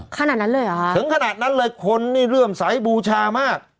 ขนาดนั้นเลยเหรอฮะถึงขนาดนั้นเลยคนนี่เริ่มสายบูชามาก